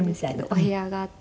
お部屋があって。